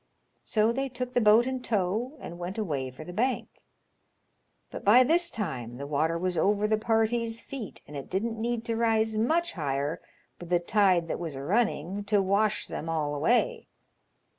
So they took the boat in tow, and went away for the bank. But by this time the water was over the parties' feet, and it didn't need to rise much higher, with the tide that was a running, to wash them all away.